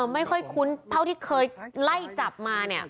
ไม่ค่อยคุ้นเท่าที่เคยไล่จับมาเนี่ย